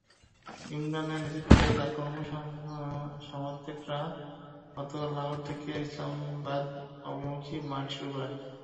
ইমরানের নেতৃত্বে তাঁর কর্মী-সমর্থকেরা গতকাল লাহোর থেকে ইসলামাবাদ অভিমুখী মার্চ শুরু করেন।